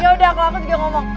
yaudah kalau aku juga ngomong